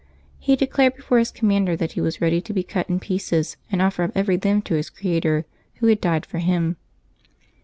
He declared before his commander that he was ready to be cut in pieces and offer up every limb to his Creator, Who had died for him.